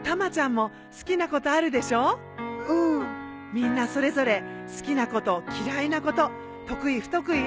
みんなそれぞれ好きなこと嫌いなこと得意不得意あるからね。